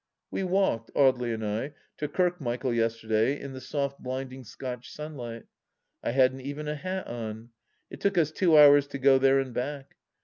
We walked, Audely and I, to Kirkmichael yesterday in the soft blinding Scotch sunlight. I hadn't even a hat on. It took us two hours to go there and back.